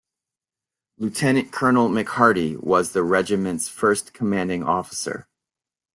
Lieutenant-Colonel McHardy was the Regiment's first commanding officer.